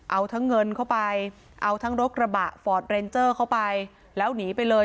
เอาทั้งเงินเข้าไปเอาทั้งรถกระบะฟอร์ดเรนเจอร์เข้าไปแล้วหนีไปเลย